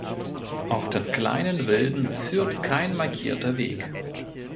Auf den Kleinen Wilden führt kein markierter Weg.